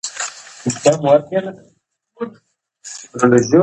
غرونه ونړول شول.